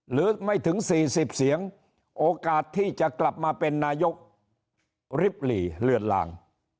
หรือไม่ถึง๔๐เสียงโอกาสที่จะกลับมาเป็นนายกริบหลีเลือดลาง